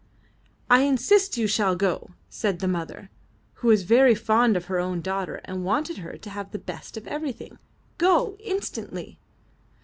''I insist you shall go," said the mother, who was very fond of her own daughter and wanted her to have the best of everything. ''Go instantly."